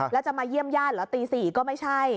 แล้วจะมาเยี่ยมญาติเหรอตี๔ก็ไม่ใช่